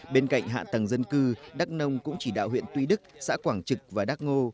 bên cạnh hạ tầng dân cư đắk nông cũng chỉ đạo huyện tuy đức xã quảng trực và đắc ngô